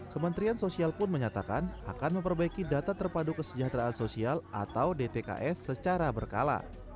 kementerian sosial pun menyatakan akan memperbaiki data terpadu kesejahteraan sosial atau dtks secara berkala